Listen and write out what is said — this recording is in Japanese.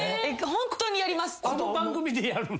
本当にやります。